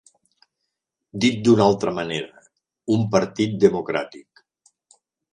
Dit d'una altra manera, un partit democràtic.